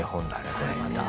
これまた。